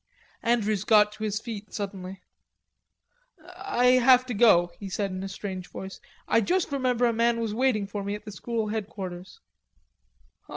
Andrews got to his feet suddenly. "I've got to go," he said in a strange voice.... "I just remember a man was waiting for me at the School Headquarters."